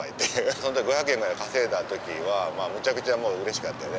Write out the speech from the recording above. そんで５００円ぐらい稼いだ時はむちゃくちゃうれしかったよね。